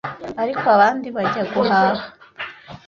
ariko abandi bajya guhaha.